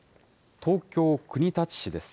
東京・国立市です。